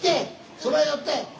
そば寄ってって！